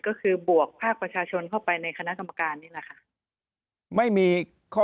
ก็คือบวกภาคประชาชนเข้าไปในคณะกรรมการนี่แหละค่ะ